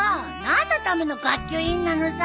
何のための学級委員なのさ！